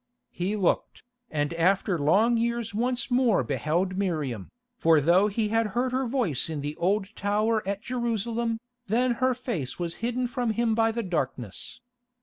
He looked, and after long years once more beheld Miriam, for though he had heard her voice in the Old Tower at Jerusalem, then her face was hidden from him by the darkness.